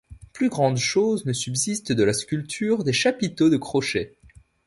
Plus grande chose ne subsiste de la sculpture des chapiteaux de crochets.